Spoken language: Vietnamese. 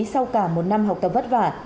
sau cả một năm học tập vất vả